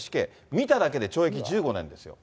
見ただけで懲役１５年ですよ。